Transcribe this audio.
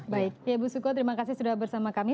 baik ya ibu suko terima kasih sudah bersama kami